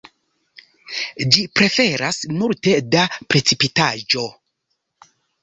Ĝi preferas multe da precipitaĵo.